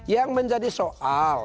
yang menjadi soal